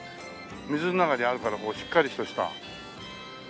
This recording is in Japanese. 水の中にあるからこうしっかりとした。